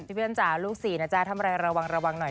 ที่เพื่อนจ๋าลูกศรีนะจ้ะทำอะไรระวังหน่อย